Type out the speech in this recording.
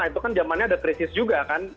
itu kan zamannya ada krisis juga kan